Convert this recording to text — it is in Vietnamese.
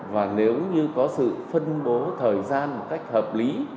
và nếu như có sự phân bố thời gian một cách hợp lý